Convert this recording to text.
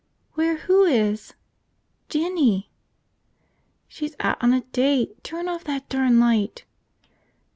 "Where who is?" "Jinny." "She's out on a date. Turn off that darn light!"